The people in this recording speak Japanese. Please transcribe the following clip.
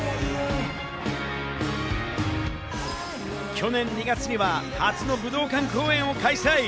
去年２月には初の武道館公演を開催。